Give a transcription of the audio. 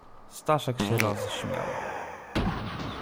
"Staszek się rozśmiał."